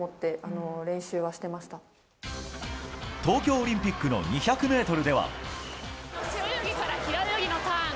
東京オリンピックの２００ｍでは。